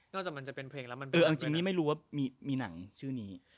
นอกจากมันจะเป็นเพลงแล้วเอออันจริงนี้ไม่รู้ว่ามีมีหนังชื่อนี้